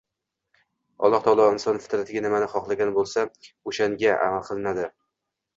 Alloh taolo inson fitratiga nimani xoslagan bo‘lsa, o‘shanga amal qilinadi.